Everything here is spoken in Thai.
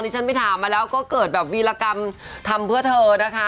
ฉันไปถามมาแล้วก็เกิดแบบวีรกรรมทำเพื่อเธอนะคะ